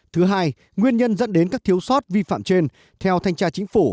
thứ hai nguyên nhân dẫn đến các thiếu sót vi phạm trên theo thanh tra chính phủ